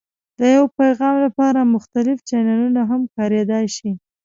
د یو پیغام لپاره مختلف چینلونه هم کارېدای شي.